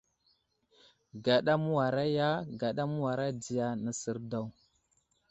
Gaɗa mə́wara ya, gaɗa mə́wara ɗiya nəsər daw.